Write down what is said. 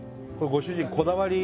ご主人こだわり。